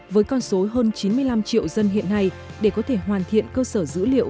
với con số hơn chín mươi năm triệu dân hiện nay để có thể hoàn thiện cơ sở dữ liệu